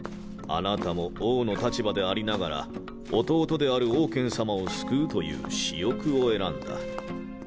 あなたも王の立場でありながら弟であるオウケン様を救うという私欲を選んだ。